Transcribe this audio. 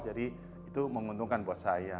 jadi itu menguntungkan buat saya